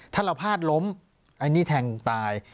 ถ้าเราพลาดล้มไอ้นี่แทงตาย